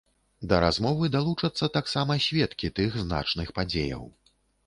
Да размовы далучацца таксама сведкі тых значных падзеяў.